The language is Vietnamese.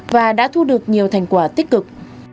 và đã thu được nhiều thành quả tích cực